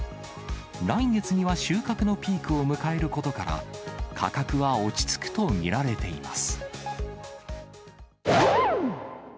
来月には収穫のピークを迎えることから、価格は落ち着くと見られています。